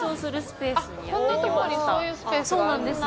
こんなとこにそういうスペースがあるんですね。